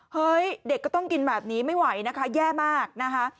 เฮ้ยเด็กก็ต้องกินแบบนี้ไม่ไหวนะคะแย่มากนะคะ